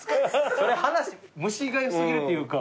それ話虫が良過ぎるっていうか。